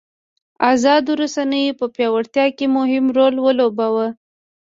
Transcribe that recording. ازادو رسنیو په پیاوړتیا کې مهم رول ولوباوه.